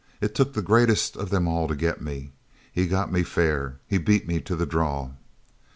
It took the greatest of them all to get me. He got me fair. He beat me to the draw!"